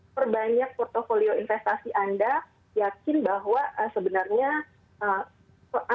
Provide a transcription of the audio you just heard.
perbanyak portfolio investasi anda yakin bahwa sebenarnya